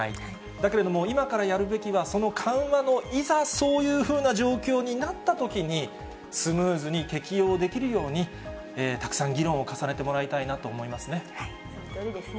だけれども、今からやるべきは、緩和の、いざそういうふうな状況になったときに、スムーズに適用できるように、たくさん議論を重ねてもらいたいなと思いますね。